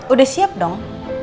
udah siap dong